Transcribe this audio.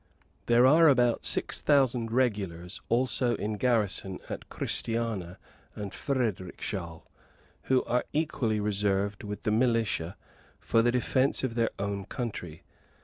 There are about six thousand regulars also in garrison at Christiania and Fredericshall, who are equally reserved, with the militia, for the defence of their own country.